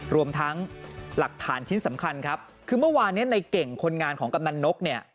รวมทั้งหลักฐานชิ้นสำคัญครับคือเมื่อวานเนี่ยในเก่งคนงานของกำนันนกเนี่ย